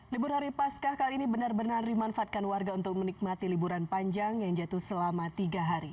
libur hari paskah kali ini benar benar dimanfaatkan warga untuk menikmati liburan panjang yang jatuh selama tiga hari